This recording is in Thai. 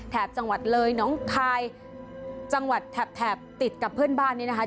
จังหวัดเลยน้องคายจังหวัดแถบแถบติดกับเพื่อนบ้านนี้นะคะ